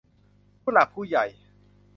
ผู้หลักผู้ใหญ่